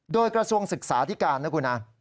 โดยกระทรวงศึกษาที่การนะคุณนะ